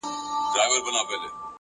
کنجکاوي د پوهې سرچینه ده